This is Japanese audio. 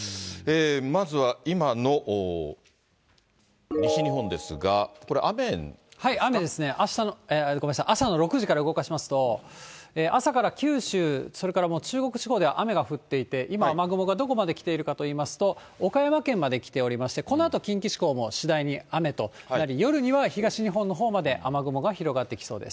まずは今の西日本ですが、これ、雨ですね、朝の６時から動かしますと、朝から九州、それから中国地方では雨が降っていて、今、雨雲がどこまで来ているかといいますと、岡山県まで来ておりまして、このあと近畿地方も次第に雨となり、夜には東日本のほうまで雨雲が広がってきそうです。